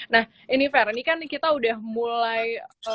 nah ini fair ini kan kita udah mulai